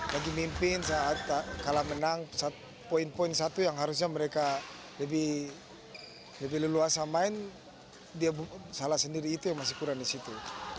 lagi mimpin saat kalah menang poin poin satu yang harusnya mereka lebih leluasa main dia salah sendiri itu yang masih kurang di situ